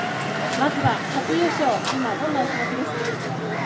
まずは初優勝今どんなお気持ちですか？